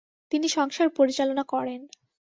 তিনি সংসার পরিচালনা করেন।